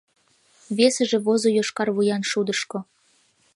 Весыже возо йошкар вуян шудышко.